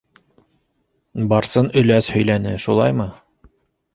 Барсын өләс һөйләне, шулаймы?